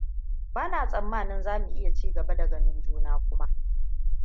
Bana tsammanin za mu iya cigaba da ganin juna kuma.